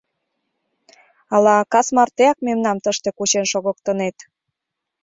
— Ала кас мартеак мемнам тыште кучен шогыктынет?